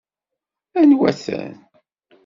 Anwa-ten?